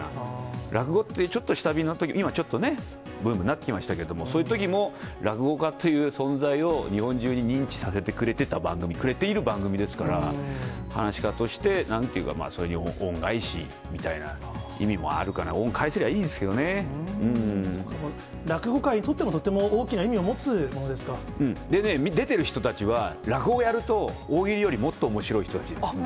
落語って、ちょっと下火のとき、今、ちょっとね、ブームになってきましたけれども、そういうときも落語家っていう存在を、日本中に認知させてくれてた番組、くれている番組ですから、はなし家として、なんというか、それに恩返しみたいな意味もあるかな、落語界にとっても、とってもでね、出てる人たちは、落語やると、大喜利よりもっとおもしろい人たちですんで。